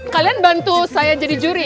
kalian bantu saya jadi juri